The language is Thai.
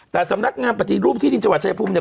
แต่สำนักงานปฏิรูปที่ดินจังหวัดชายภูมิเนี่ย